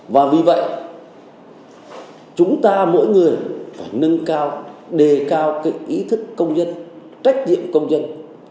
và vì vậy chúng ta mỗi người phải nâng cao đề cao cái ý thức công nhân trách nhiệm công dân